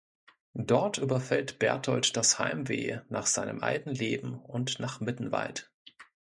Dort überfällt Berthold das Heimweh nach seinem alten Leben und nach Mittenwald.